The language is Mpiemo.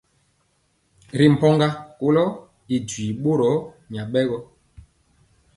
Ri mpogɔ koko y duii bɔro nyabɛgɔ.